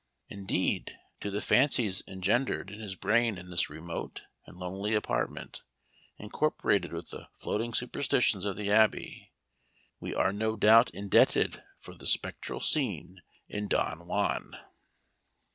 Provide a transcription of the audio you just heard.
Indeed, to the fancies engendered in his brain in this remote and lonely apartment, incorporated with the floating superstitions of the Abbey, we are no doubt indebted for the spectral scene in "Don Juan."